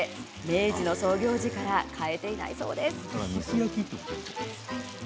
明治の創業時から変えていないそうです。